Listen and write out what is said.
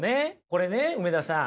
これね梅田さん